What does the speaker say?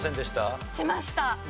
しました。